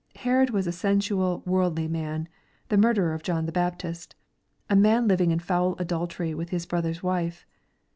Herod was a sensual, worldly man, — the murderer of John the Baptist, — a man living in foul adultery with his brother's wife.